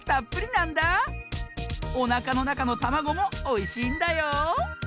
おなかのなかのたまごもおいしいんだよ！